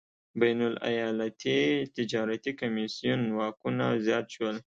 بین الایالتي تجارتي کمېسیون واکونه زیات شول.